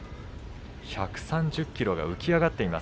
１３０ｋｇが浮き上がっています。